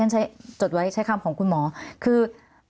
ใช้จดไว้ใช้คำของคุณหมอคือ